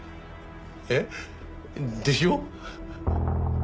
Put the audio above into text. えっ？でしょ？